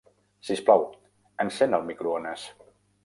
Sisplau, encén el microones.